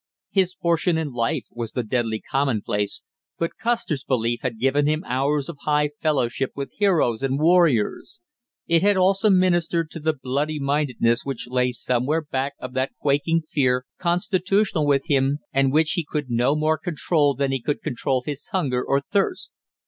His portion in life was the deadly commonplace, but Custer's belief had given him hours of high fellowship with heroes and warriors; it had also ministered to the bloody mindedness which lay somewhere back of that quaking fear constitutional with him, and which he could no more control than he could control his hunger or thirst.